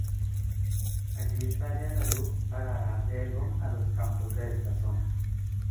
Allí sale a la luz, para dar riego a los campos de esta zona.